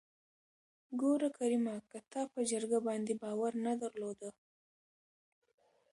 ګوره کريمه که تا په جرګه باندې باور نه درلوده.